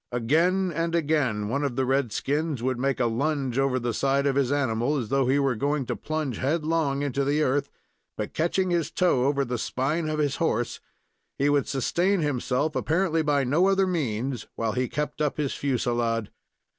Again and again, one of the red skins would make a lunge over the side of his animal, as though he were going to plunge headlong into the earth; but, catching his toe over the spine of his horse, he would sustain himself apparently by no other means, while he kept up his fusilade.